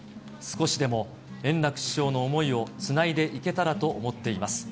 少しでも円楽師匠の思いをつないでいけたらと思っています。